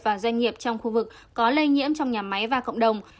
và doanh nghiệp trong khu vực có lây nhiễm trong nhà máy và cộng đồng